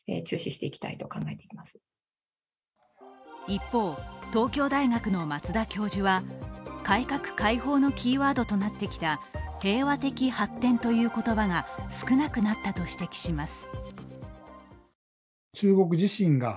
一方、東京大学の松田教授は改革開放のキーワードとなってきた「平和的発展」という言葉が少なくなったと指摘します。